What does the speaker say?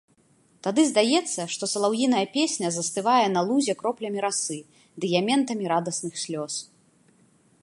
Тады здаецца, што салаўіная песня застывае на лузе кроплямі расы, дыяментамі радасных слёз.